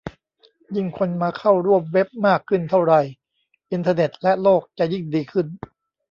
ยิ่งคนมาเข้าร่วมเว็บมากขึ้นเท่าไร อินเทอร์เน็ตและโลกจะยิ่งดีขึ้น